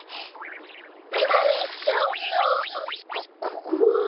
こここは？